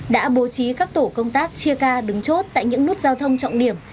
đã bố trí các tổ công tác chia ca đứng chốt tại những nút giao thông trọng điểm